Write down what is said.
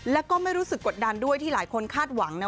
แล้วก็ไม่รู้สึกกดดันด้วยที่หลายคนคาดหวังนะ